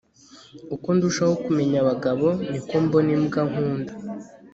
uko ndushaho kumenya abagabo, niko mbona imbwa nkunda